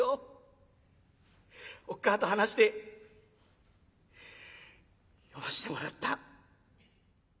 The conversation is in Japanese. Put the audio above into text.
おっ母ぁと話して読ませてもらった。